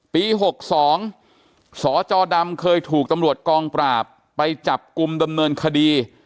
ปี๖๒สจดำเคยถูกตำรวจกองปราบไปจับกลุ่มดำเนินคดี